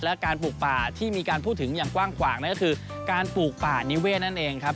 และการปลูกป่าที่มีการพูดถึงอย่างกว้างขวางนั่นก็คือการปลูกป่านิเวศนั่นเองครับ